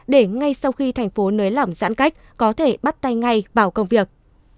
để ngay sau khi thành phố nới lỏng giãn cách có thể bắt tay ngay vào công việc